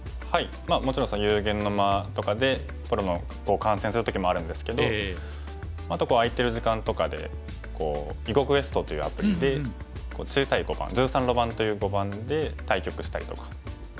もちろん「幽玄の間」とかでプロの碁を観戦する時もあるんですけどあと空いてる時間とかで「囲碁クエスト」というアプリで小さい碁盤１３路盤という碁盤で対局したりとかはしてますね。